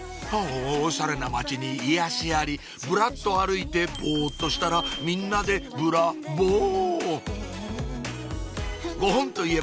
オシャレな街に癒やしありぶらっと歩いてボっとしたらみんなでブラボー！